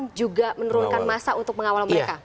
tidak menurunkan masa untuk mengawal mereka